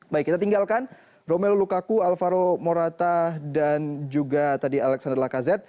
baik kita tinggalkan romel lukaku alvaro morata dan juga tadi alexander lakazet